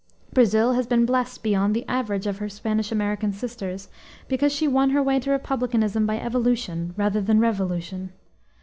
Brazil has been blessed beyond the average of her Spanish American sisters because she won her way to republicanism by evolution rather than revolution.